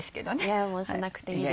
いやもうしなくていいです。